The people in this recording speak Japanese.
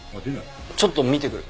ちょっと見てくる。